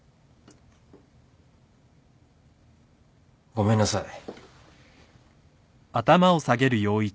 ごめんなさい。